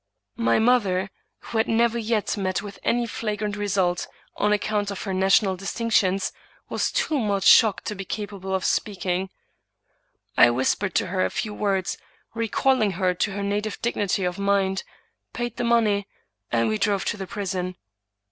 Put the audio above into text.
My mother, who had never yet met with any flagrant insult on account of her national distinc tions, was too much shocked to be capable of speaking. I whispered to her a few words, recalling her to her native dignity of mind, paid the money, and we drove to the prison.